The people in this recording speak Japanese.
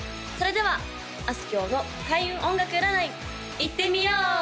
それではあすきょうの開運音楽占いいってみよう！